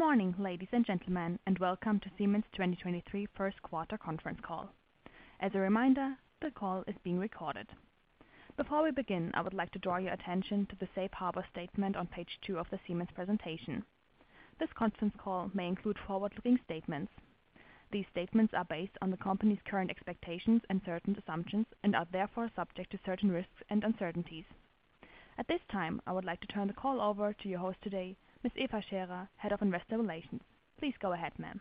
Good morning, ladies and gentlemen, welcome to Siemens 2023 Q1 conference call. As a reminder, the call is being recorded. Before we begin, I would like to draw your attention to the safe harbor statement on page 2 of the Siemens presentation. This conference call may include forward-looking statements. These statements are based on the company's current expectations and certain assumptions and are therefore subject to certain risks and uncertainties. At this time, I would like to turn the call over to your host today, Miss Eva Scherer, Head of Investor Relations. Please go ahead, ma'am.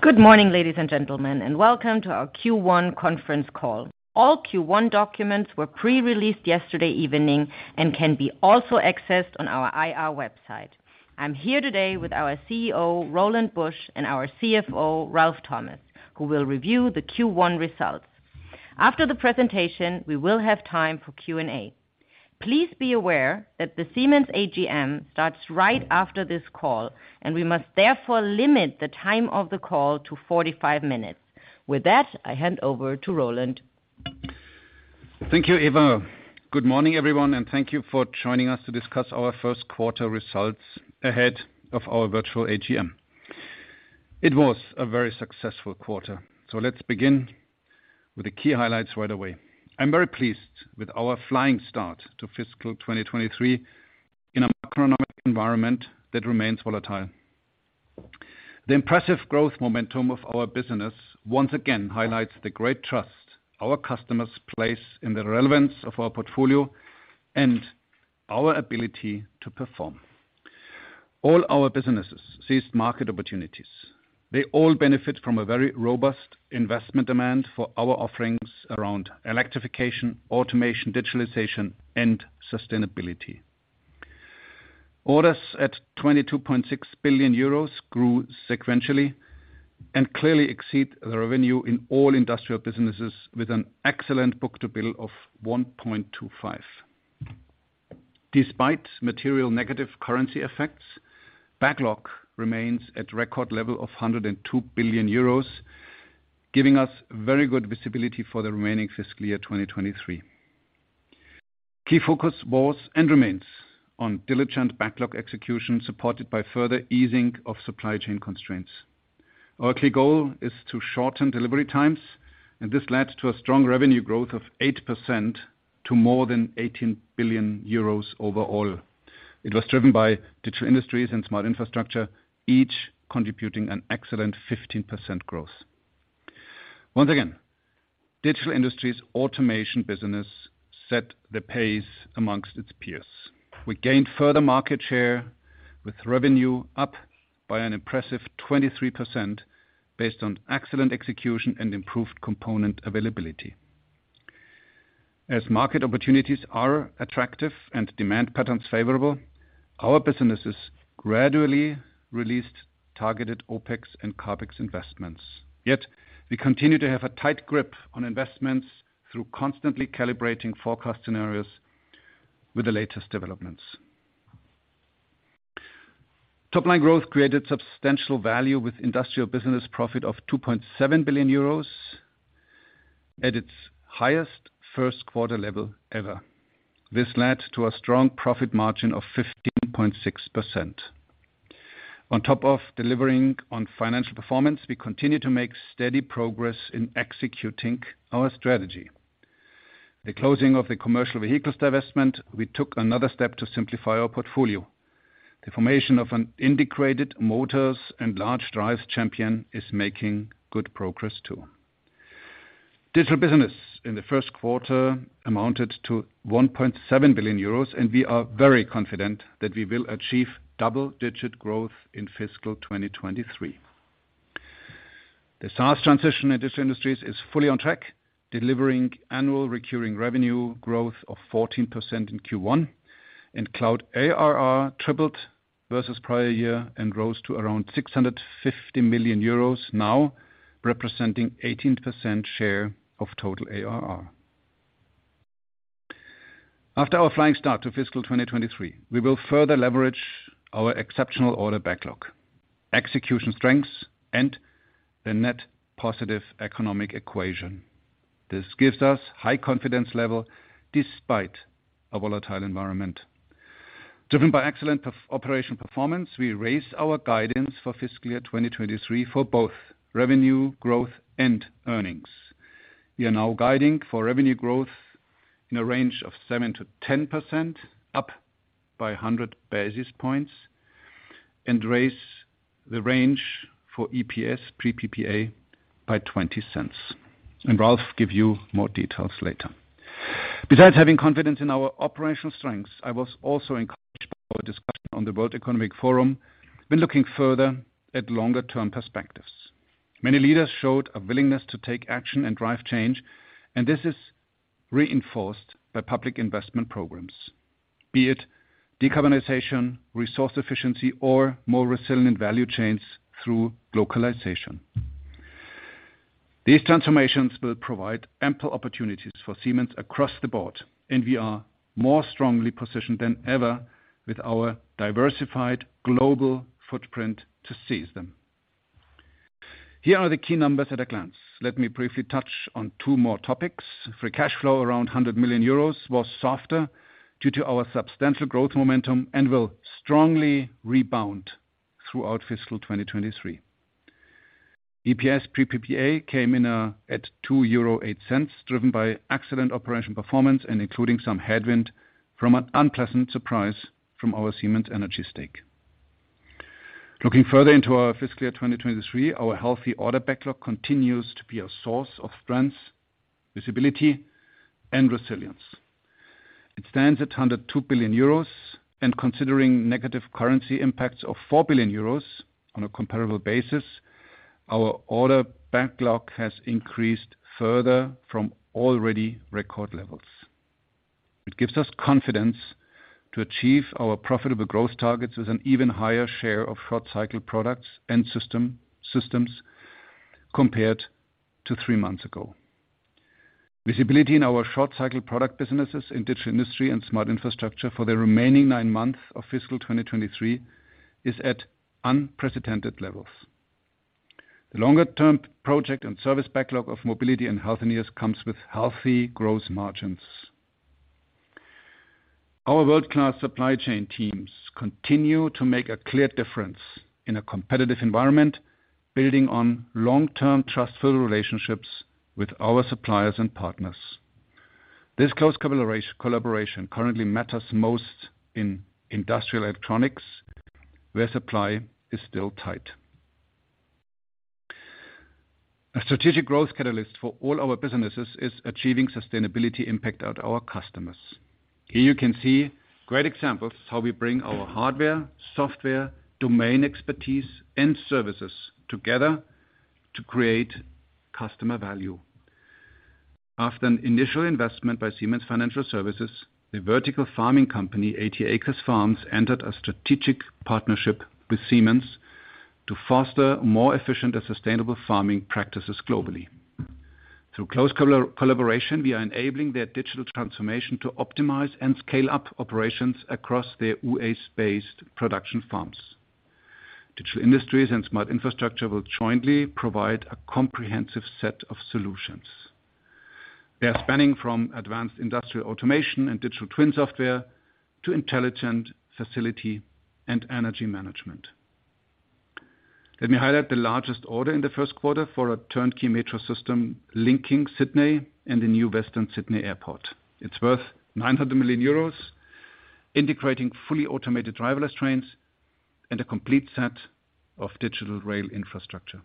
Good morning, ladies and gentlemen, welcome to our Q1 conference call. All Q1 documents were pre-released yesterday evening and can be also accessed on our IR website. I'm here today with our CEO, Roland Busch, and our CFO, Ralf Thomas, who will review the Q1 results. After the presentation, we will have time for Q&A. Please be aware that the Siemens AGM starts right after this call, and we must therefore limit the time of the call to 45 minutes. With that, I hand over to Roland. Thank you, Eva. Good morning, everyone. Thank you for joining us to discuss our Q1 results ahead of our virtual AGM. It was a very successful quarter. Let's begin with the key highlights right away. I'm very pleased with our flying start to fiscal 2023 in a macroeconomic environment that remains volatile. The impressive growth momentum of our business once again highlights the great trust our customers place in the relevance of our portfolio and our ability to perform. All our businesses seized market opportunities. They all benefit from a very robust investment demand for our offerings around electrification, automation, digitalization, and sustainability. Orders at 22.6 billion euros grew sequentially and clearly exceed the revenue in all industrial businesses with an excellent book-to-bill of 1.25. Despite material negative currency effects, backlog remains at record level of 102 billion euros, giving us very good visibility for the remaining fiscal year 2023. Key focus was and remains on diligent backlog execution, supported by further easing of supply chain constraints. Our key goal is to shorten delivery times. This led to a strong revenue growth of 8% to more than 18 billion euros overall. It was driven by Digital Industries and Smart Infrastructure, each contributing an excellent 15% growth. Once again, Digital Industries automation business set the pace amongst its peers. We gained further market share with revenue up by an impressive 23% based on excellent execution and improved component availability. Market opportunities are attractive and demand patterns favorable, our businesses gradually released targeted OpEx and CapEx investments. We continue to have a tight grip on investments through constantly calibrating forecast scenarios with the latest developments. Top-line growth created substantial value with industrial business profit of 2.7 billion euros at its highest Q1 level ever. This led to a strong profit margin of 15.6%. On top of delivering on financial performance, we continue to make steady progress in executing our strategy. The closing of the Commercial Vehicles divestment, we took another step to simplify our portfolio. The formation of an integrated motors and large drives champion is making good progress, too. Digital business in the Q1 amounted to 1.7 billion euros. We are very confident that we will achieve double-digit growth in fiscal 2023. The SaaS transition in Digital Industries is fully on track, delivering annual recurring revenue growth of 14% in Q1, cloud ARR tripled versus prior year and rose to around 650 million euros, now representing 18% share of total ARR. After our flying start to fiscal 2023, we will further leverage our exceptional order backlog, execution strengths, and the net positive economic equation. This gives us high confidence level despite a volatile environment. Driven by excellent operational performance, we raise our guidance for fiscal year 2023 for both revenue growth and earnings. We are now guiding for revenue growth in a range of 7%-10%, up by 100 basis points, and raise the range for EPS pre PPA by 0.20. Ralf give you more details later. Besides having confidence in our operational strengths, I was also encouraged by our discussion on the World Economic Forum when looking further at longer-term perspectives. Many leaders showed a willingness to take action and drive change, and this is reinforced by public investment programs, be it decarbonization, resource efficiency, or more resilient value chains through localization. These transformations will provide ample opportunities for Siemens across the board, and we are more strongly positioned than ever with our diversified global footprint to seize them. Here are the key numbers at a glance. Let me briefly touch on 2 more topics. Free cash flow around 100 million euros was softer due to our substantial growth momentum and will strongly rebound throughout fiscal 2023. EPS pre PPA came in at 2.08 euro, driven by excellent operational performance and including some headwind from an unpleasant surprise from our Siemens Energy stake. Looking further into our fiscal year 2023, our healthy order backlog continues to be a source of strength, visibility and resilience. It stands at 102 billion euros and considering negative currency impacts of 4 billion euros on a comparable basis, our order backlog has increased further from already record levels. It gives us confidence to achieve our profitable growth targets with an even higher share of short-cycle products and systems compared to 3 months ago. Visibility in our short-cycle product businesses in Digital Industries and Smart Infrastructure for the remaining 9 months of fiscal 2023 is at unprecedented levels. The longer term project and service backlog of Mobility and Healthineers comes with healthy gross margins. Our world-class supply chain teams continue to make a clear difference in a competitive environment, building on long-term trust-filled relationships with our suppliers and partners. This close collaboration currently matters most in industrial electronics, where supply is still tight. A strategic growth catalyst for all our businesses is achieving sustainability impact at our customers. Here you can see great examples of how we bring our hardware, software, domain expertise and services together to create customer value. After an initial investment by Siemens Financial Services, the vertical farming company, 80 Acres Farms, entered a strategic partnership with Siemens to foster more efficient and sustainable farming practices globally. Through close collaboration, we are enabling their digital transformation to optimize and scale up operations across their US-based production farms. Digital Industries and Smart Infrastructure will jointly provide a comprehensive set of solutions. They are spanning from advanced industrial automation and digital twin software to intelligent facility and energy management. Let me highlight the largest order in the Q1 for a turnkey metro system linking Sydney and the new Western Sydney Airport. It's worth 900 million euros, integrating fully automated driverless trains and a complete set of digital rail infrastructure.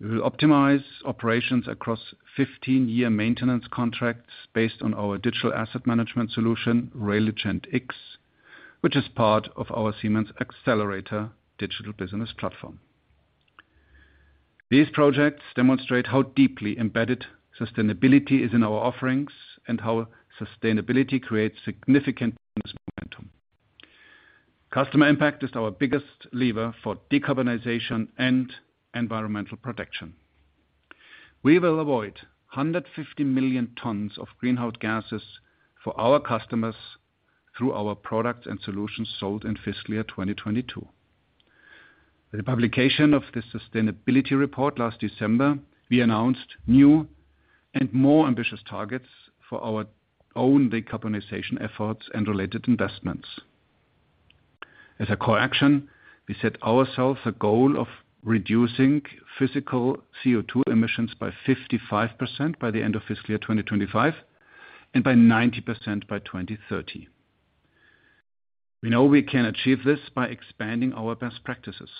We will optimize operations across 15-year maintenance contracts based on our digital asset management solution, Railigent X, which is part of our Siemens Xcelerator digital business platform. These projects demonstrate how deeply embedded sustainability is in our offerings and how sustainability creates significant business momentum. Customer impact is our biggest lever for decarbonization and environmental protection. We will avoid 150 million tons of greenhouse gases for our customers through our products and solutions sold in fiscal year 2022. With the publication of the sustainability report last December, we announced new and more ambitious targets for our own decarbonization efforts and related investments. As a core action, we set ourselves a goal of reducing physical CO₂ emissions by 55% by the end of fiscal year 2025 and by 90% by 2030. We know we can achieve this by expanding our best practices.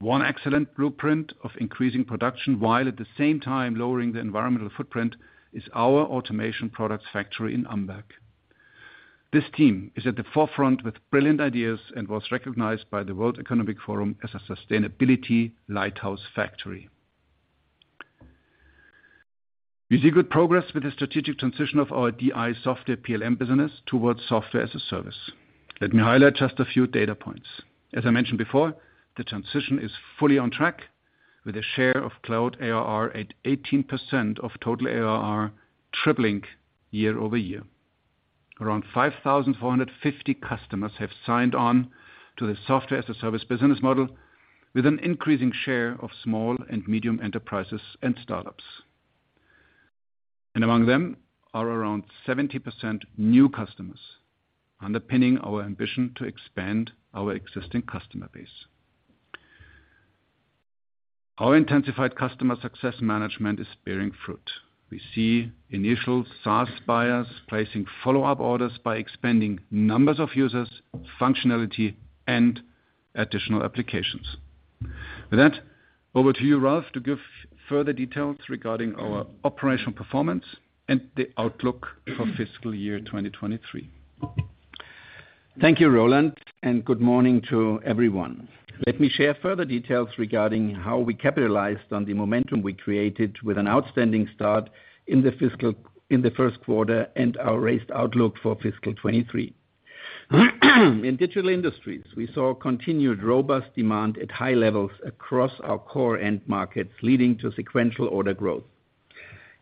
1 excellent blueprint of increasing production while at the same time lowering the environmental footprint is our automation products factory in Amberg. This team is at the forefront with brilliant ideas and was recognized by the World Economic Forum as a Sustainability Lighthouse factory. We see good progress with the strategic transition of our DI software PLM business towards software-as-a-service. Let me highlight just a few data points. As I mentioned before, the transition is fully on track with a share of cloud ARR at 18% of total ARR tripling year-over-year. Around 5,450 customers have signed on to the Software-as-a-Service business model with an increasing share of small and medium enterprises and startups. Among them are around 70% new customers, underpinning our ambition to expand our existing customer base. Our intensified customer success management is bearing fruit. We see initial SaaS buyers placing follow-up orders by expanding numbers of users, functionality and additional applications. With that, over to you, Ralf, to give further details regarding our operational performance and the outlook for fiscal year 2023. Thank you, Roland. Good morning to everyone. Let me share further details regarding how we capitalized on the momentum we created with an outstanding start in the fiscal, in the Q1 and our raised outlook for fiscal 23. In Digital Industries, we saw continued robust demand at high levels across our core end markets, leading to sequential order growth.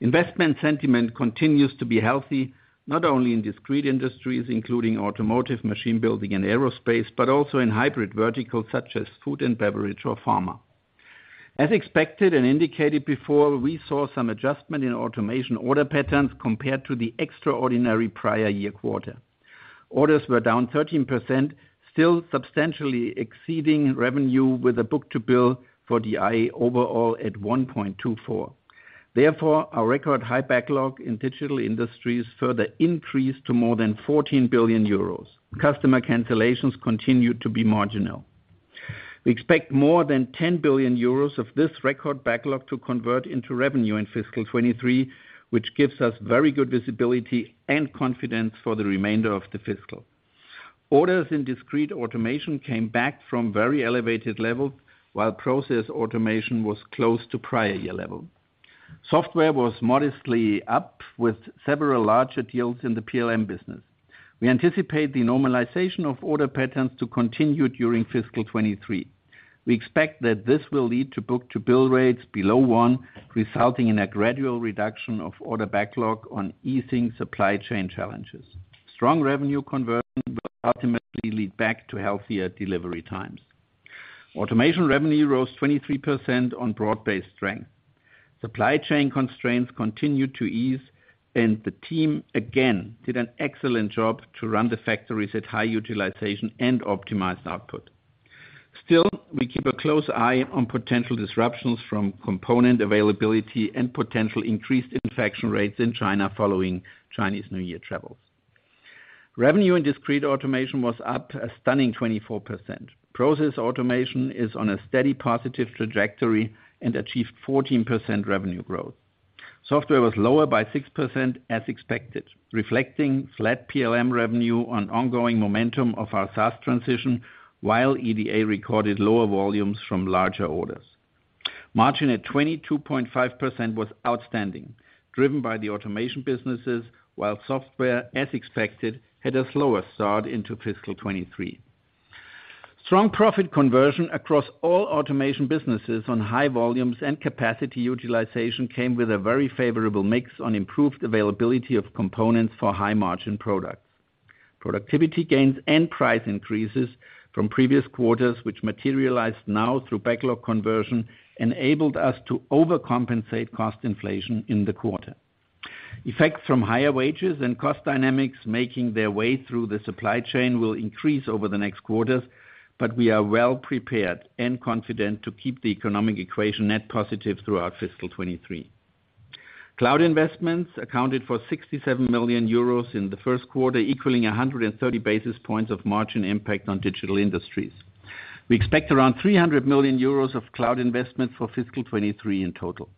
Investment sentiment continues to be healthy, not only in discrete industries, including automotive, machine building and aerospace, but also in hybrid verticals such as food and beverage or pharma. As expected and indicated before, we saw some adjustment in automation order patterns compared to the extraordinary prior year quarter. Orders were down 13%, still substantially exceeding revenue with a book-to-bill for DI overall at 1.24. Our record high backlog in Digital Industries further increased to more than 14 billion euros. Customer cancellations continued to be marginal. We expect more than 10 billion euros of this record backlog to convert into revenue in fiscal 2023, which gives us very good visibility and confidence for the remainder of the fiscal. Orders in discrete automation came back from very elevated levels, while process automation was close to prior year level. Software was modestly up with several larger deals in the PLM business. We anticipate the normalization of order patterns to continue during fiscal 2023. We expect that this will lead to book-to-bill rates below 1, resulting in a gradual reduction of order backlog on easing supply chain challenges. Strong revenue conversion will ultimately lead back to healthier delivery times. Automation revenue rose 23% on broad-based strength. Supply chain constraints continued to ease, and the team again, did an excellent job to run the factories at high utilization and optimized output. Still, we keep a close eye on potential disruptions from component availability and potential increased infection rates in China following Chinese New Year travels. Revenue in discrete automation was up a stunning 24%. process automation is on a steady positive trajectory and achieved 14% revenue growth. Software was lower by 6% as expected, reflecting flat PLM revenue on ongoing momentum of our SaaS transition, while EDA recorded lower volumes from larger orders. Margin at 22.5% was outstanding, driven by the automation businesses, while software, as expected, had a slower start into fiscal 2023. Strong profit conversion across all automation businesses on high volumes and capacity utilization came with a very favorable mix on improved availability of components for high-margin products. Productivity gains and price increases from previous quarters, which materialized now through backlog conversion, enabled us to overcompensate cost inflation in the quarter. Effects from higher wages and cost dynamics making their way through the supply chain will increase over the next quarters, but we are well prepared and confident to keep the economic equation net positive throughout fiscal 2023. Cloud investments accounted for 67 million euros in the Q1, equaling 130 basis points of margin impact on Digital Industries. We expect around 300 million euros of cloud investment for fiscal 2023 in total.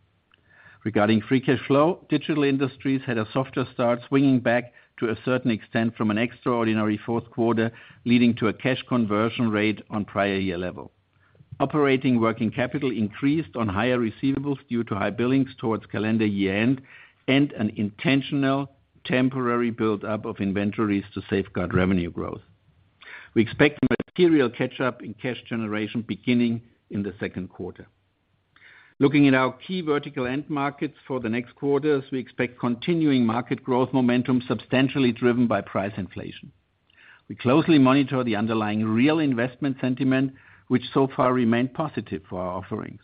Regarding free cash flow, Digital Industries had a softer start, swinging back to a certain extent from an extraordinary Q4, leading to a cash conversion rate on prior year level. Operating working capital increased on higher receivables due to high billings towards calendar year-end, and an intentional temporary build-up of inventories to safeguard revenue growth. We expect material catch-up in cash generation beginning in the Q2. Looking at our key vertical end markets for the next quarters, we expect continuing market growth momentum substantially driven by price inflation. We closely monitor the underlying real investment sentiment, which so far remained positive for our offerings.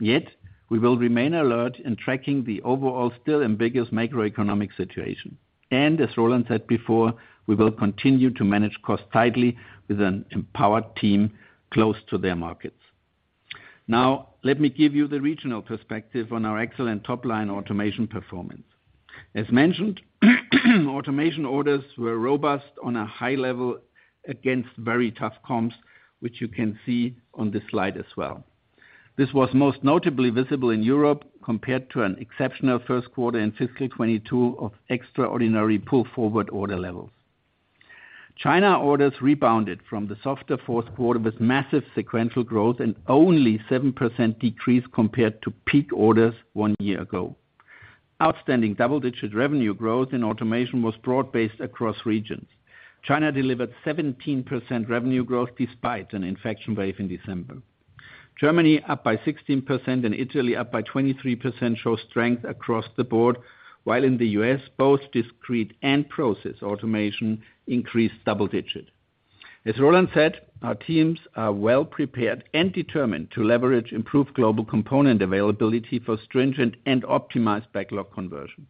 Yet, we will remain alert in tracking the overall still ambiguous macroeconomic situation. As Roland said before, we will continue to manage costs tightly with an empowered team close to their markets. Now, let me give you the regional perspective on our excellent top-line automation performance. As mentioned, automation orders were robust on a high level against very tough comps, which you can see on this slide as well. This was most notably visible in Europe compared to an exceptional Q1 in fiscal 2022 of extraordinary pull-forward order levels. China orders rebounded from the softer Q4 with massive sequential growth and only 7% decrease compared to peak orders 1 year ago. Outstanding double-digit revenue growth in automation was broad-based across regions. China delivered 17% revenue growth despite an infection wave in December. Germany up by 16% and Italy up by 23% show strength across the board, while in the U.S., both discrete and process automation increased double digit. As Roland Busch said, our teams are well prepared and determined to leverage improved global component availability for stringent and optimized backlog conversion.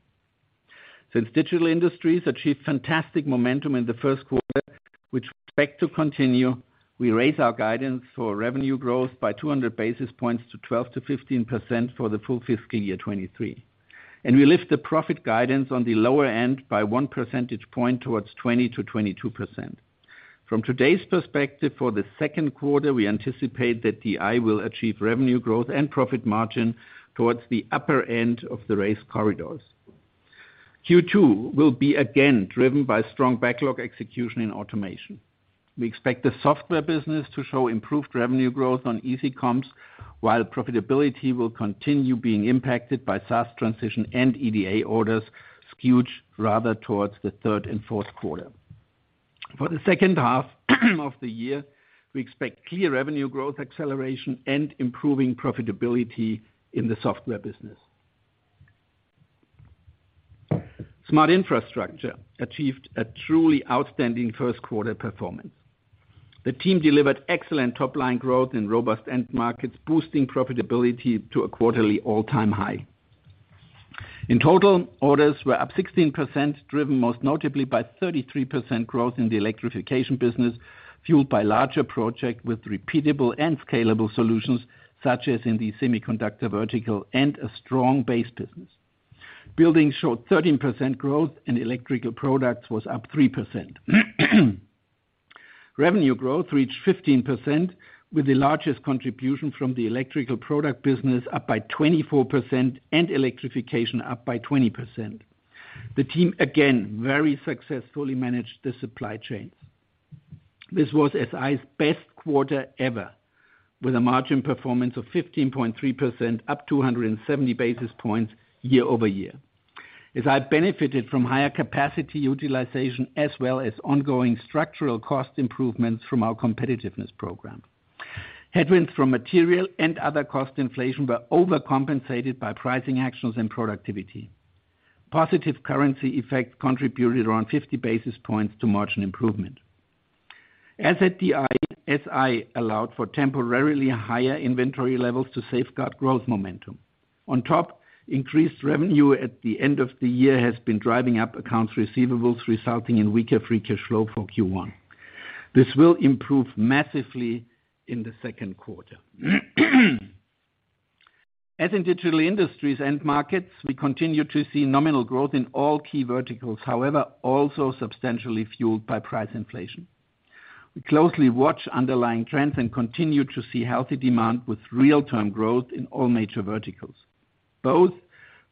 Since Digital Industries achieved fantastic momentum in the Q1, which we expect to continue, we raise our guidance for revenue growth by 200 basis points to 12%-15% for the full fiscal year 2023. We lift the profit guidance on the lower end by 1% point towards 20%-22%. From today's perspective, for the Q2, we anticipate that DI will achieve revenue growth and profit margin towards the upper end of the raised corridors. Q2 will be again driven by strong backlog execution and automation. We expect the software business to show improved revenue growth on easy comps, while profitability will continue being impacted by SaaS transition and EDA orders skewed rather towards the 3rd and Q4. For the H2 of the year, we expect clear revenue growth acceleration and improving profitability in the software business. Smart Infrastructure achieved a truly outstanding Q1 performance. The team delivered excellent top-line growth in robust end markets, boosting profitability to a quarterly all-time high. In total, orders were up 16%, driven most notably by 33% growth in the Electrification business, fueled by larger project with repeatable and scalable solutions, such as in the semiconductor vertical and a strong base business. Building showed 13% growth, and Electrical Products was up 3%. Revenue growth reached 15% with the largest contribution from the Electrical Products business up by 24% and Electrification up by 20%. The team, again, very successfully managed the supply chains. This was SI's best quarter ever, with a margin performance of 15.3%, up 270 basis points year-over-year. As I benefited from higher capacity utilization as well as ongoing structural cost improvements from our competitiveness program. Headwinds from material and other cost inflation were overcompensated by pricing actions and productivity. Positive currency effects contributed around 50 basis points to margin improvement. At the SI allowed for temporarily higher inventory levels to safeguard growth momentum. On top, increased revenue at the end of the year has been driving up accounts receivables, resulting in weaker free cash flow for Q1. This will improve massively in the Q2. In Digital Industries and markets, we continue to see nominal growth in all key verticals, however, also substantially fueled by price inflation. We closely watch underlying trends and continue to see healthy demand with real-term growth in all major verticals. Both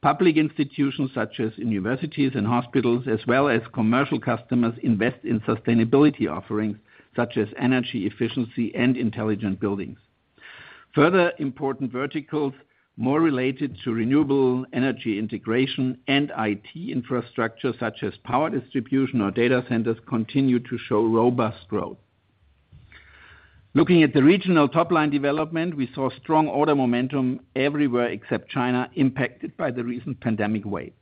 public institutions, such as universities and hospitals, as well as commercial customers invest in sustainability offerings, such as energy efficiency and intelligent buildings. Further important verticals, more related to renewable energy integration and I.T. infrastructure, such as power distribution or data centers, continue to show robust growth. Looking at the regional top-line development, we saw strong order momentum everywhere except China, impacted by the recent pandemic wave.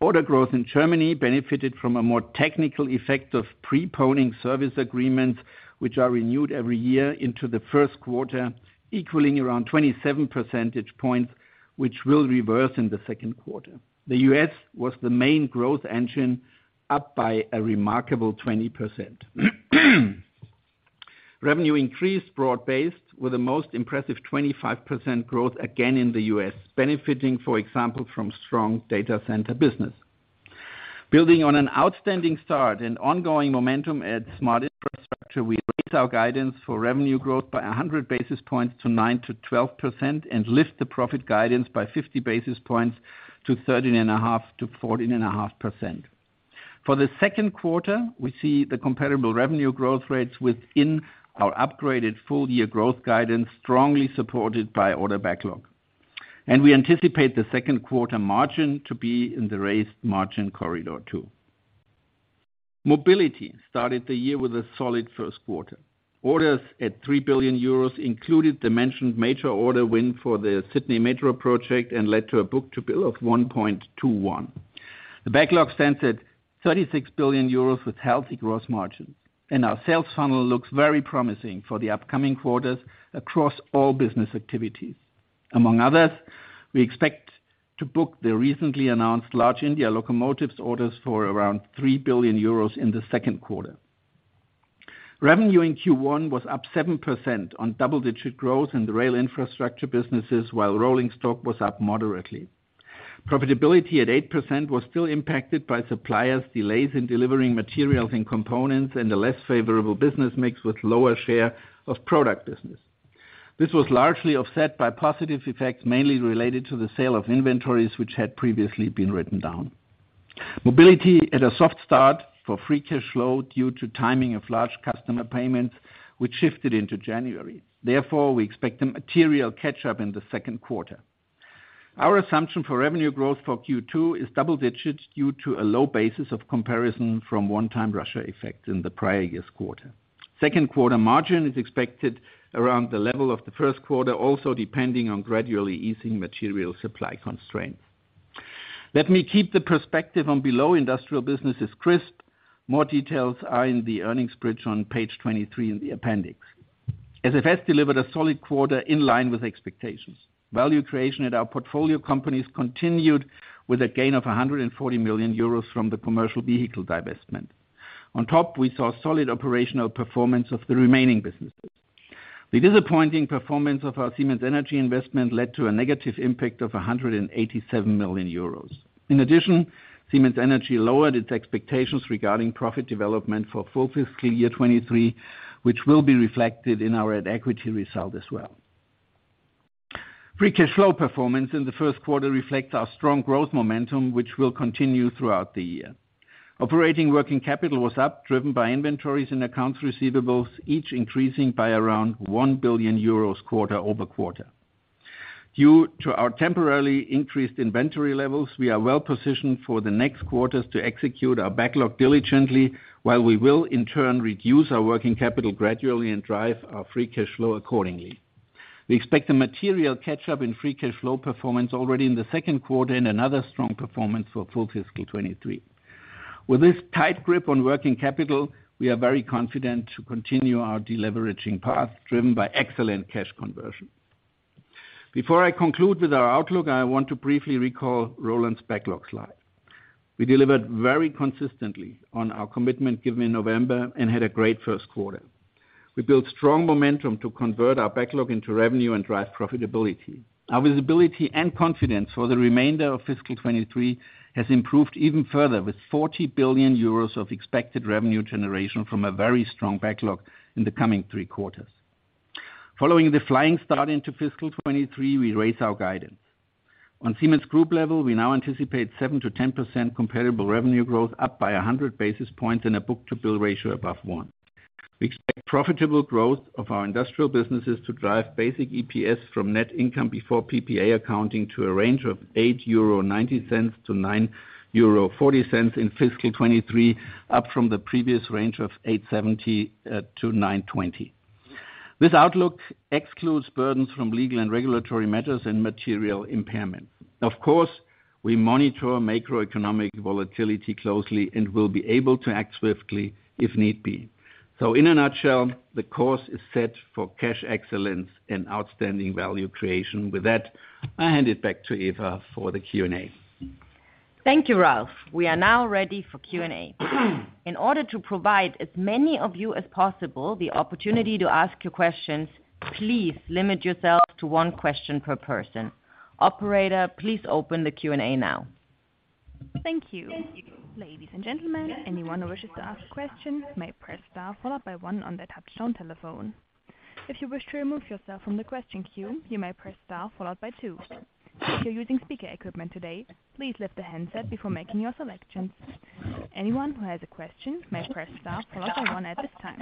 Order growth in Germany benefited from a more technical effect of preponing service agreements, which are renewed every year into the Q1, equaling around 27% points, which will reverse in the Q2. The U.S. was the main growth engine up by a remarkable 20%. Revenue increase broad-based with the most impressive 25% growth again in the U.S., benefiting, for example, from strong data center business. Building on an outstanding start and ongoing momentum at Smart Infrastructure, we raise our guidance for revenue growth by 100 basis points to 9-12% and lift the profit guidance by 50 basis points to 13.5-14.5%. For the Q2, we see the comparable revenue growth rates within our upgraded full-year growth guidance, strongly supported by order backlog. We anticipate the Q2 margin to be in the raised margin corridor too. Mobility started the year with a solid Q1. Orders at 3 billion euros included the mentioned major order win for the Sydney Metro project and led to a book-to-bill of 1.21. The backlog stands at 36 billion euros with healthy gross margin. Our sales funnel looks very promising for the upcoming quarters across all business activities. Among others, we expect to book the recently announced large India locomotives orders for around 3 billion euros in the Q2. Revenue in Q1 was up 7% on double-digit growth in the rail infrastructure businesses, while rolling stock was up moderately. Profitability at 8% was still impacted by suppliers' delays in delivering materials and components and a less favorable business mix with lower share of product business. This was largely offset by positive effects mainly related to the sale of inventories which had previously been written down. Mobility had a soft start for free cash flow due to timing of large customer payments, which shifted into January. We expect the material catch up in the Q2. Our assumption for revenue growth for Q2 is double-digits due to a low basis of comparison from one-time Russia effect in the prior year's quarter. Q2 margin is expected around the level of the Q1, also depending on gradually easing material supply constraints. Let me keep the perspective on below industrial businesses crisp. More details are in the earnings bridge on page 23 in the appendix. SFS delivered a solid quarter in line with expectations. Value creation at our portfolio companies continued with a gain of 140 million euros from the Commercial Vehicles divestment. We saw solid operational performance of the remaining businesses. The disappointing performance of our Siemens Energy investment led to a negative impact of 187 million euros. Siemens Energy lowered its expectations regarding profit development for full fiscal year 23, which will be reflected in our equity result as well. Free cash flow performance in the Q1 reflects our strong growth momentum, which will continue throughout the year. Operating working capital was up, driven by inventories and accounts receivables, each increasing by around 1 billion euros quarter-over-quarter. Due to our temporarily increased inventory levels, we are well-positioned for the next quarters to execute our backlog diligently while we will in turn reduce our working capital gradually and drive our free cash flow accordingly. We expect a material catch-up in free cash flow performance already in the Q2 and another strong performance for full fiscal 2023. With this tight grip on working capital, we are very confident to continue our deleveraging path driven by excellent cash conversion. Before I conclude with our outlook, I want to briefly recall Roland's backlog slide. We delivered very consistently on our commitment given in November and had a great Q1. We built strong momentum to convert our backlog into revenue and drive profitability. Our visibility and confidence for the remainder of fiscal 23 has improved even further, with 40 billion euros of expected revenue generation from a very strong backlog in the coming 3 quarters. Following the flying start into fiscal 23, we raise our guidance. On Siemens group level, we now anticipate 7%-10% comparable revenue growth up by 100 basis points and a book-to-bill ratio above 1. We expect profitable growth of our industrial businesses to drive basic EPS from net income before PPA accounting to a range of 8.90-9.40 euro in fiscal 23, up from the previous range of 8.70-9.20. This outlook excludes burdens from legal and regulatory matters and material impairment. Of course, we monitor macroeconomic volatility closely and will be able to act swiftly if need be. In a nutshell, the course is set for cash excellence and outstanding value creation. With that, I hand it back to Eva for the Q&A. Thank you, Ralf. We are now ready for Q&A. In order to provide as many of you as possible the opportunity to ask your questions, please limit yourself to 1 question per person. Operator, please open the Q&A now. Thank you. Ladies and gentlemen, anyone who wishes to ask a question may press * 1 on their touchtone telephone. If you wish to remove yourself from the question queue, you may press star 2. If you're using speaker equipment today, please lift the handset before making your selections. Anyone who has a question may press star 1 at this time.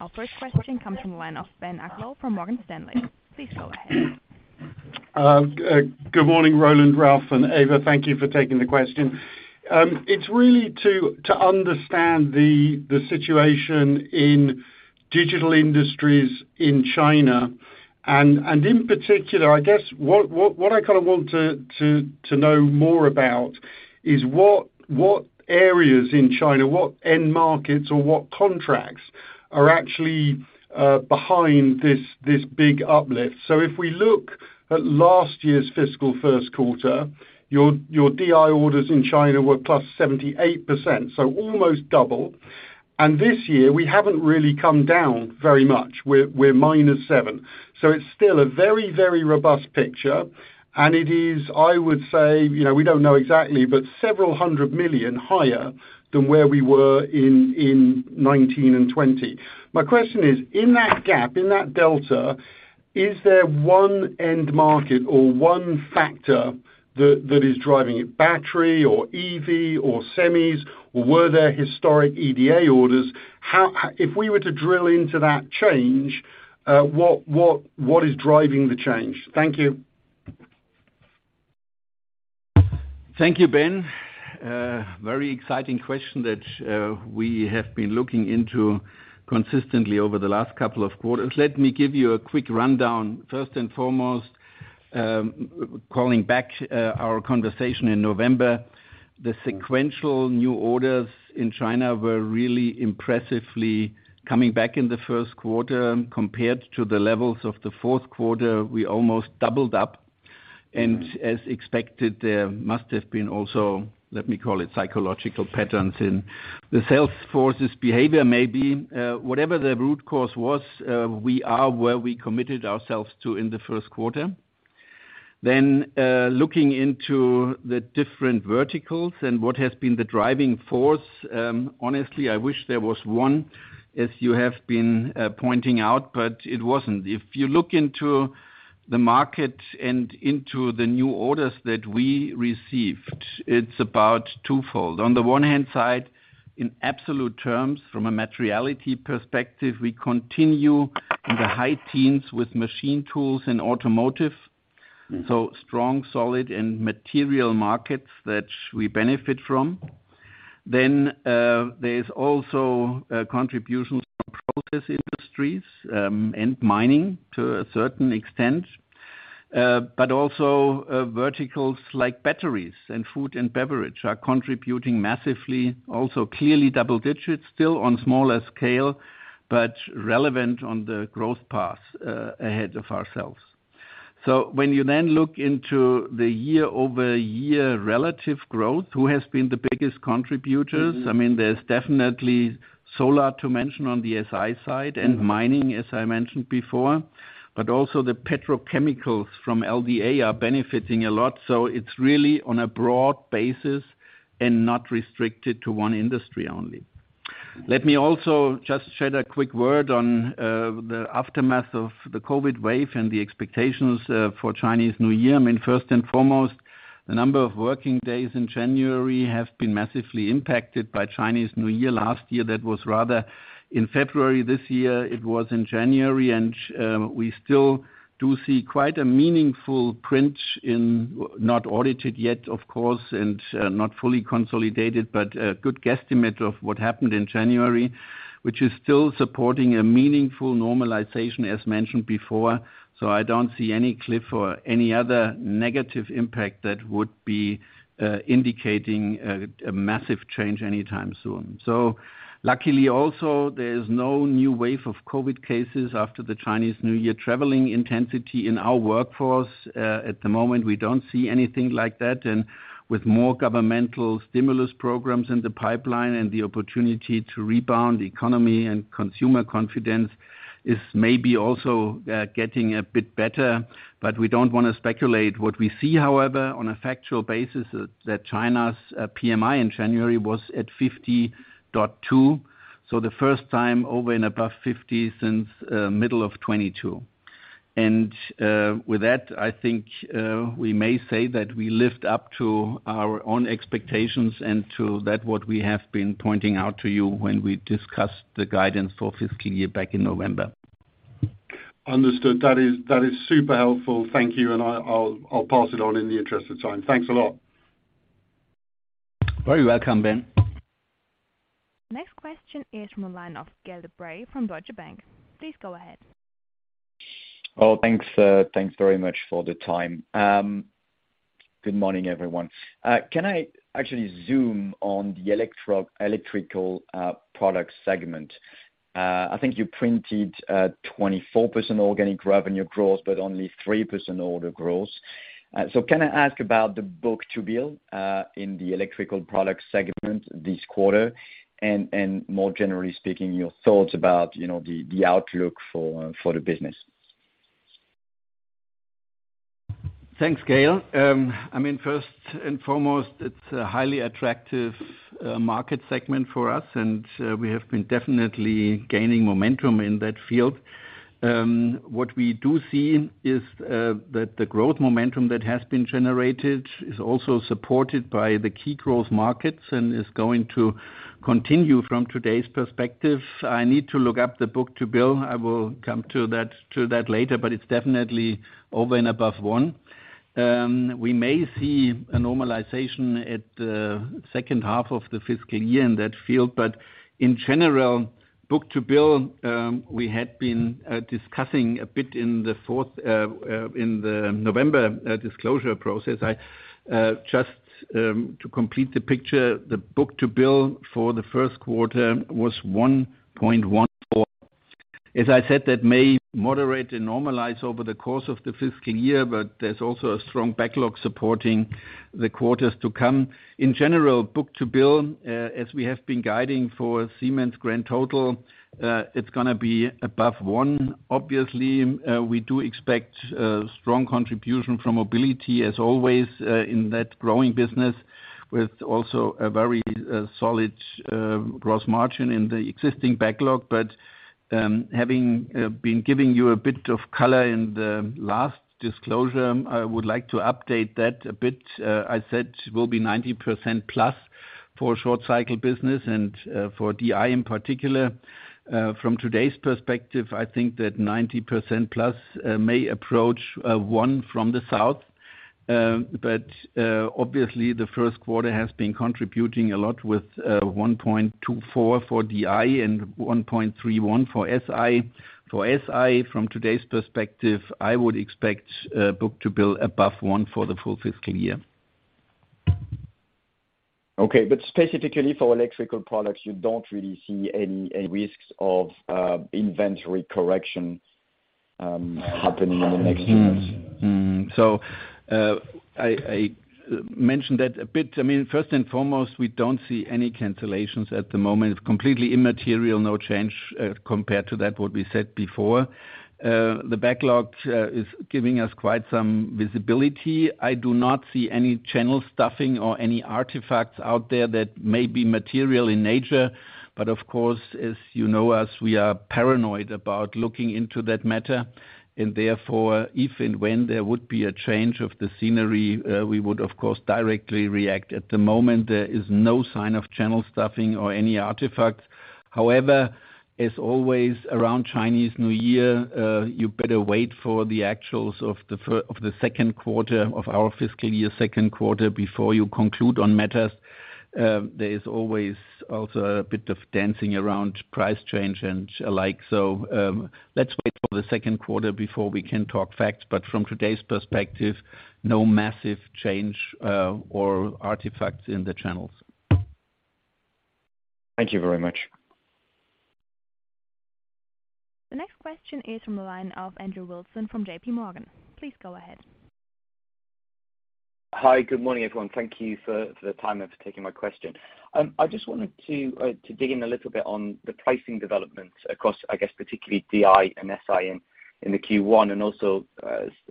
Our 1st question comes from the line of Ben Uglow from Morgan Stanley. Please go ahead. Good morning, Roland, Ralf, and Eva. Thank you for taking the question. It's really to understand the situation in Digital Industries in China and in particular, I guess what I kinda want to know more about is what areas in China, what end markets or what contracts are actually behind this big uplift. If we look at last year's fiscal Q1, your DI orders in China were +78%, so almost double. This year, we haven't really come down very much. We're -7%, so it's still a very robust picture, and it is, I would say, you know, we don't know exactly, but several hundred million EUR higher than where we were in 2019 and 2020. My question is, in that gap, in that delta, is there 1 end market or 1 factor that is driving it? Battery or EV or semis, or were there historic EDA orders? If we were to drill into that change, what is driving the change? Thank you. Thank you, Ben. Very exciting question that we have been looking into consistently over the last couple of quarters. Let me give you a quick rundown. First and foremost, calling back our conversation in November, the sequential new orders in China were really impressively coming back in the Q1 compared to the levels of the Q4. We almost doubled up. As expected, there must have been also, let me call it psychological patterns in the sales forces behavior maybe. Whatever the root cause was, we are where we committed ourselves to in the Q1. Looking into the different verticals and what has been the driving force, honestly, I wish there was 1, as you have been pointing out, but it wasn't. If you look into the market and into the new orders that we received, it's about twofold. On the 1 hand side, in absolute terms from a materiality perspective, we continue in the high teens with machine tools and automotive, so strong, solid, and material markets that we benefit from. There's also contributions from process industries and mining to a certain extent. Also verticals like batteries and food and beverage are contributing massively, also clearly double digits, still on smaller scale, but relevant on the growth path ahead of ourselves. When you then look into the year-over-year relative growth, who has been the biggest contributors? I mean, there's definitely solar to mention on the SI side and mining, as I mentioned before, but also the petrochemicals from LDA are benefiting a lot. It's really on a broad basis and not restricted to 1 industry only. Let me also just shed a quick word on the aftermath of the COVID wave and the expectations for Chinese New Year. I mean, first and foremost, the number of working days in January have been massively impacted by Chinese New Year. Last year, that was rather in February, this year it was in January. We still do see quite a meaningful print in, not audited yet, of course, and not fully consolidated, but a good guesstimate of what happened in January, which is still supporting a meaningful normalization as mentioned before. I don't see any cliff or any other negative impact that would be indicating a massive change anytime soon. Luckily also there's no new wave of COVID cases after the Chinese New Year. Traveling intensity in our workforce, at the moment, we don't see anything like that. With more governmental stimulus programs in the pipeline and the opportunity to rebound the economy and consumer confidence is maybe also getting a bit better, but we don't wanna speculate. What we see, however, on a factual basis, is that China's PMI in January was at 50.2. The first time over and above 50 since middle of 2022. With that, I think, we may say that we lived up to our own expectations and to that what we have been pointing out to you when we discussed the guidance for fiscal year back in November. Understood. That is super helpful. Thank you. I'll pass it on in the interest of time. Thanks a lot. Very welcome, Ben. Next question is from a line of Gael de Bray from Deutsche Bank. Please go ahead. Oh, thanks very much for the time. Good morning, everyone. Can I actually zoom on the Electrical Products segment? I think you printed 24% organic revenue growth, but only 3% order growth. Can I ask about the book-to-bill in the Electrical Products segment this quarter? More generally speaking, your thoughts about, you know, the outlook for the business. Thanks, Gael. I mean, first and foremost, it's a highly attractive market segment for us, we have been definitely gaining momentum in that field. What we do see is that the growth momentum that has been generated is also supported by the key growth markets and is going to continue from today's perspective. I need to look up the book-to-bill. I will come to that later, it's definitely over and above 1. We may see a normalization at the H2 of the fiscal year in that field. In general, book-to-bill, we had been discussing a bit in the 4th in the November disclosure process. I just to complete the picture, the book-to-bill for the Q1 was 1.14. As I said, that may moderate and normalize over the course of the fiscal year, but there's also a strong backlog supporting the quarters to come. In general, book to bill, as we have been guiding for Siemens grand total, it's gonna be above 1. Obviously, we do expect strong contribution from Mobility as always, in that growing business with also a very solid gross margin in the existing backlog. Having been giving you a bit of color in the last disclosure, I would like to update that a bit. I said it will be 90%+ for short cycle business and for DI in particular. From today's perspective, I think that 90%+ may approach 1 from the south. Obviously the Q1 has been contributing a lot with 1.24 for DI and 1.31 for SI. For SI, from today's perspective, I would expect book-to-bill above 1 for the full fiscal year. Specifically for Electrical Products, you don't really see any risks of inventory correction happening in the next few months? I mentioned that a bit. I mean, first and foremost, we don't see any cancellations at the moment. It's completely immaterial, no change compared to that what we said before. The backlog is giving us quite some visibility. I do not see any channel stuffing or any artifacts out there that may be material in nature. Of course, as you know us, we are paranoid about looking into that matter. Therefore, if and when there would be a change of the scenery, we would of course directly react. At the moment, there is no sign of channel stuffing or any artifacts. However, as always around Chinese New Year, you better wait for the actuals of the Q2 of our fiscal year Q2 before you conclude on matters. There is always also a bit of dancing around price change and alike. Let's wait for the Q2 before we can talk facts. From today's perspective, no massive change or artifacts in the channels. Thank you very much. The next question is from a line of Andrew Wilson from JP Morgan. Please go ahead. Hi. Good morning, everyone. Thank Thank you for the time and for taking my question. I just wanted to dig in a little bit on the pricing developments across, I guess, particularly DI and SI in the Q1, and also,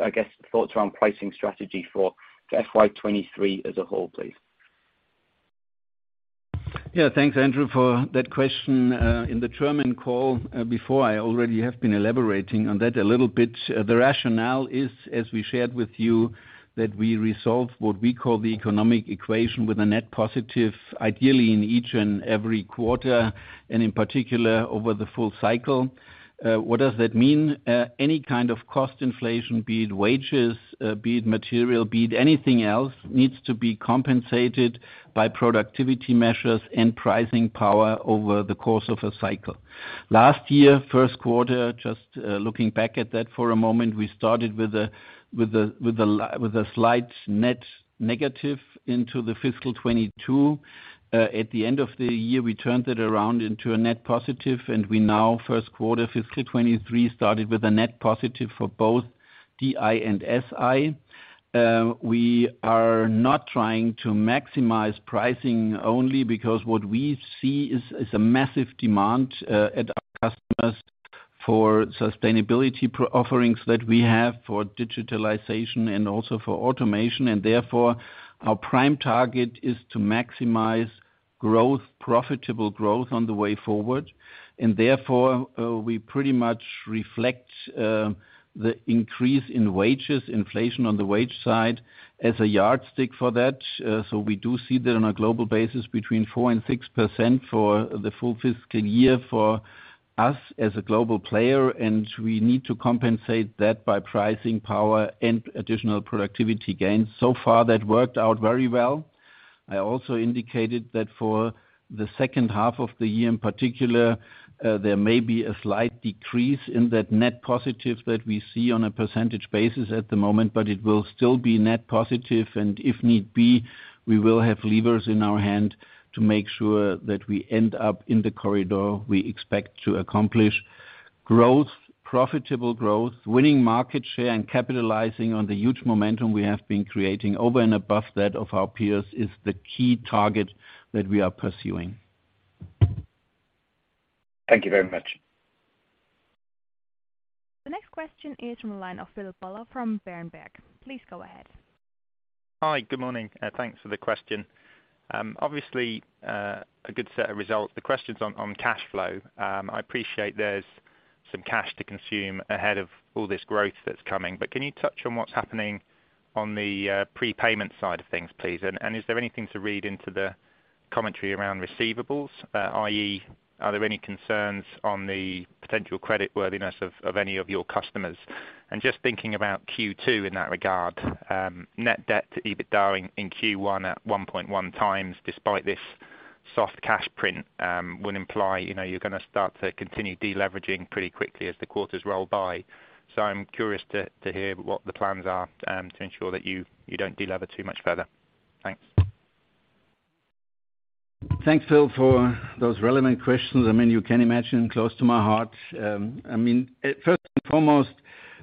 I guess, thoughts around pricing strategy for FY 2023 as a whole, please? Thanks, Andrew, for that question. In the German call, before I already have been elaborating on that a little bit. The rationale is, as we shared with you, that we resolve what we call the economic equation with a net positive, ideally in each and every quarter and in particular over the full cycle. What does that mean? Any kind of cost inflation, be it wages, be it material, be it anything else, needs to be compensated by productivity measures and pricing power over the course of a cycle. Last year, Q1, just looking back at that for a moment, we started with a slight net negative into the fiscal 2022. At the end of the year, we turned it around into a net positive, and we now Q1 fiscal 23 started with a net positive for both DI and SI. We are not trying to maximize pricing only because what we see is a massive demand at our customers for sustainability offerings that we have for digitalization and also for automation. Therefore, our prime target is to maximize growth, profitable growth on the way forward. Therefore, we pretty much reflect the increase in wages, inflation on the wage side as a yardstick for that. We do see that on a global basis between 4% and 6% for the full fiscal year for us as a global player, and we need to compensate that by pricing power and additional productivity gains. So far, that worked out very well. I also indicated that for the H2 of the year in particular, there may be a slight decrease in that net positive that we see on a percentage basis at the moment, but it will still be net positive. If need be, we will have levers in our hand to make sure that we end up in the corridor we expect to accomplish. Growth, profitable growth, winning market share, and capitalizing on the huge momentum we have been creating over and above that of our peers is the key target that we are pursuing. Thank you very much. The next question is from the line of Philip Buller from Berenberg. Please go ahead. Hi. Good morning. Thanks for the question. Obviously, a good set of results. The question's on cash flow. I appreciate there's some cash to consume ahead of all this growth that's coming, but can you touch on what's happening on the prepayment side of things, please? Is there anything to read into the commentary around receivables? I.e., are there any concerns on the potential creditworthiness of any of your customers? Just thinking about Q2 in that regard, net debt to EBITDA in Q1 at 1.1 times, despite this soft cash print, would imply, you know, you're gonna start to continue deleveraging pretty quickly as the quarters roll by. I'm curious to hear what the plans are to ensure that you don't delever too much further. Thanks. Thanks, Phil, for those relevant questions. I mean, you can imagine close to my heart. I mean, first and foremost,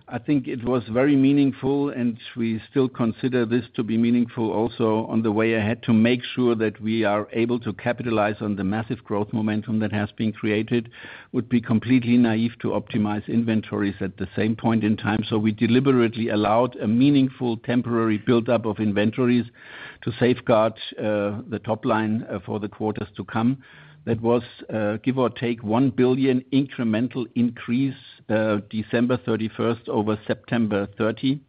I think it was very meaningful, and we still consider this to be meaningful also on the way ahead to make sure that we are able to capitalize on the massive growth momentum that has been created would be completely naive to optimize inventories at the same point in time. We deliberately allowed a meaningful temporary buildup of inventories to safeguard the top line for the quarters to come. That was, give or take, 1 billion incremental increase December 31st over September 30.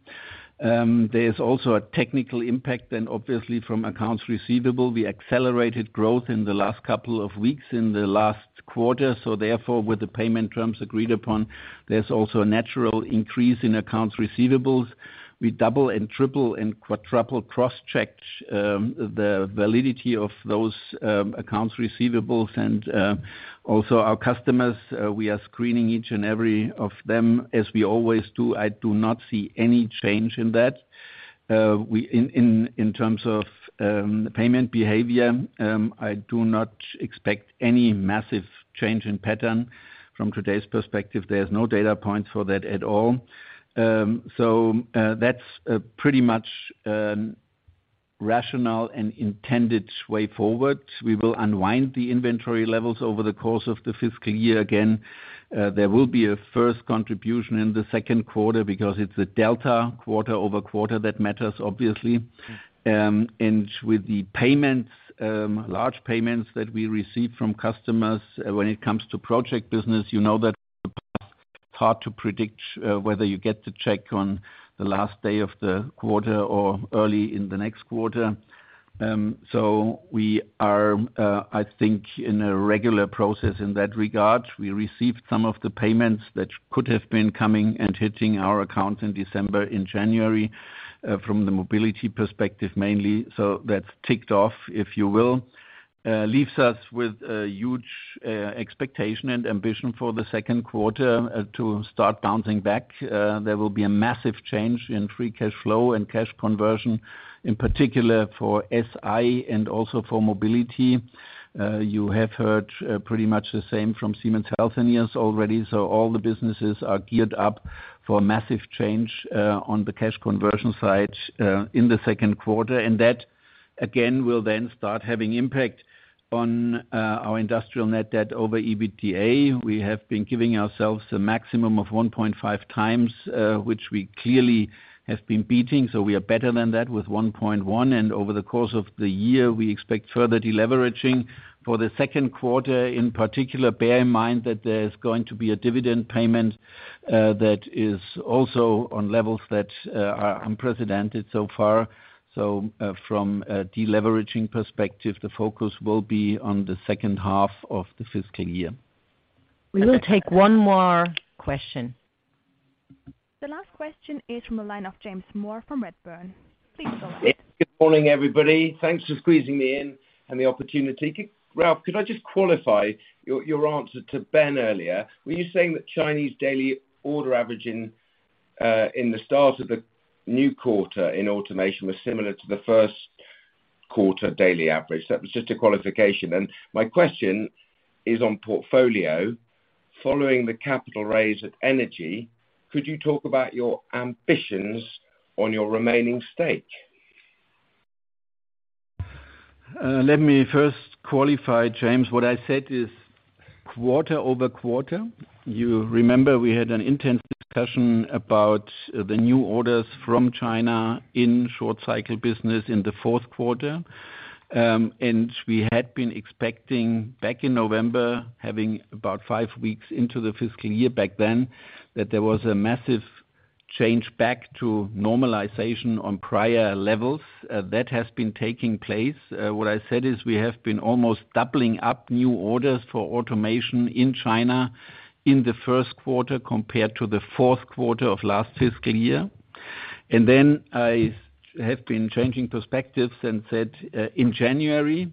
There's also a technical impact then, obviously from accounts receivable. We accelerated growth in the last couple of weeks in the last quarter, therefore with the payment terms agreed upon, there's also a natural increase in accounts receivables. We double and triple and quadruple cross-checked the validity of those accounts receivables. Also our customers, we are screening each and every of them as we always do. I do not see any change in that. We, in terms of payment behavior, I do not expect any massive change in pattern from today's perspective. There's no data point for that at all. That's pretty much rational and intended way forward. We will unwind the inventory levels over the course of the fiscal year again. There will be a 1st contribution in the Q2 because it's a delta quarter-over-quarter that matters obviously. With the payments, large payments that we receive from customers, you know that it's hard to predict whether you get the check on the last day of the quarter or early in the next quarter. We are, I think in a regular process in that regard. We received some of the payments that could have been coming and hitting our accounts in December, in January, from the Mobility perspective mainly. That's ticked off, if you will. Leaves us with a huge expectation and ambition for the Q2, to start bouncing back. There will be a massive change in free cash flow and cash conversion, in particular for SI and also for Mobility. You have heard pretty much the same from Siemens Healthineers already. All the businesses are geared up for massive change on the cash conversion side in the Q2. That again, will then start having impact on our Industrial net debt to EBITDA. We have been giving ourselves a maximum of 1.5 times, which we clearly have been beating, so we are better than that with 1.1. Over the course of the year, we expect further deleveraging. For the Q2, in particular, bear in mind that there's going to be a dividend payment that is also on levels that are unprecedented so far. From a deleveraging perspective, the focus will be on the H2 of the fiscal year. We will take 1 more question. The last question is from the line of James Moore from Redburn. Please go ahead. Good morning, everybody. Thanks for squeezing me in and the opportunity. Ralf, could I just qualify your answer to Ben earlier? Were you saying that Chinese daily order averaging in the start of the new quarter in automation was similar to the Q1 daily average? That was just a qualification. My question is on portfolio. Following the capital raise at Energy, could you talk about your ambitions on your remaining stake? Let me first qualify, James. What I said is quarter-over-quarter. You remember we had an intense discussion about the new orders from China in short cycle business in the Q4. we had been expecting back in November, having about 5 weeks into the fiscal year back then, that there was a massive change back to normalization on prior levels, that has been taking place. What I said is we have been almost doubling up new orders for automation in China in the Q1 compared to the Q4 of last fiscal year. I have been changing perspectives and said, in January,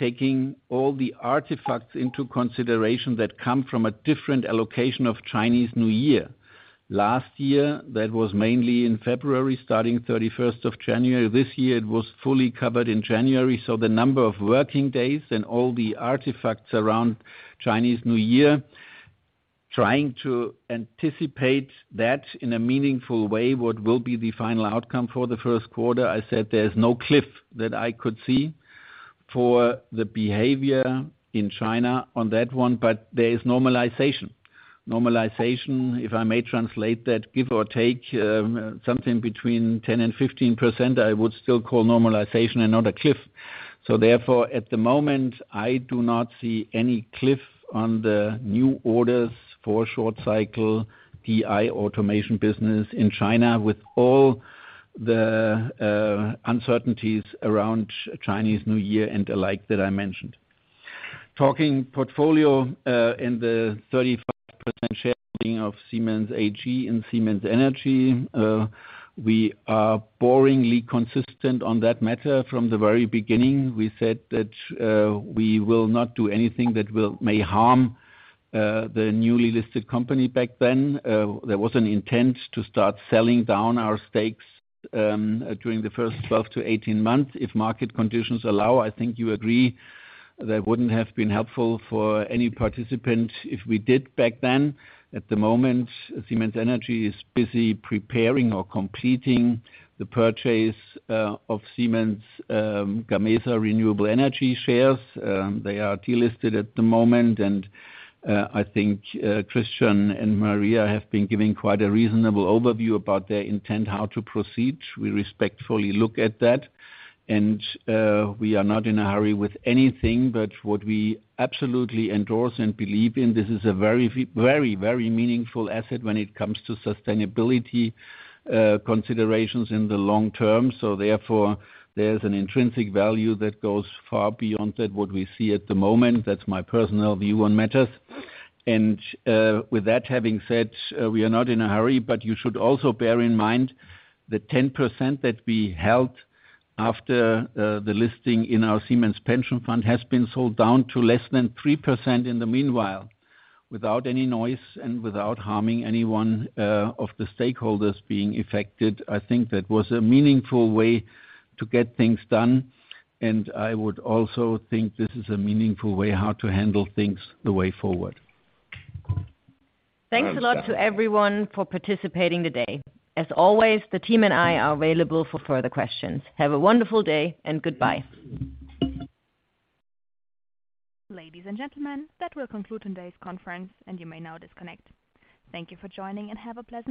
taking all the artifacts into consideration that come from a different allocation of Chinese New Year. Last year, that was mainly in February, starting 31st of January. This year it was fully covered in January. The number of working days and all the artifacts around Chinese New Year, trying to anticipate that in a meaningful way, what will be the final outcome for the Q1? I said there's no cliff that I could see for the behavior in China on that 1, but there is normalization. Normalization, if I may translate that, give or take, something between 10%-15%, I would still call normalization and not a cliff. Therefore, at the moment, I do not see any cliff on the new orders for short cycle DI automation business in China with all the uncertainties around Chinese New Year and the like that I mentioned. Talking portfolio, in the 35% sharing of Siemens AG and Siemens Energy, we are boringly consistent on that matter. From the very beginning, we said that we will not do anything that may harm the newly listed company back then. There was an intent to start selling down our stakes during the first 12 to 18 months if market conditions allow. I think you agree that wouldn't have been helpful for any participant if we did back then. At the moment, Siemens Energy is busy preparing or completing the purchase of Siemens Gamesa Renewable Energy shares. They are delisted at the moment, I think Christian and Maria have been giving quite a reasonable overview about their intent how to proceed. We respectfully look at that, we are not in a hurry with anything but what we absolutely endorse and believe in. This is a very, very, very meaningful asset when it comes to sustainability, considerations in the long term. Therefore, there's an intrinsic value that goes far beyond that, what we see at the moment. That's my personal view on matters. With that having said, we are not in a hurry, but you should also bear in mind the 10% that we held after the listing in our Siemens pension fund has been sold down to less than 3% in the meanwhile. Without any noise and without harming anyone of the stakeholders being affected. I think that was a meaningful way to get things done. I would also think this is a meaningful way how to handle things the way forward. Thanks a lot to everyone for participating today. As always, the team and I are available for further questions. Have a wonderful day and goodbye. Ladies and gentlemen, that will conclude today's conference. You may now disconnect. Thank you for joining and have a pleasant rest of your day.